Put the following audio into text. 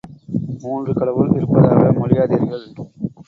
மூன்று கடவுள் இருப்பதாக மொழியாதீர்கள்.